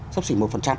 sốc sỉ một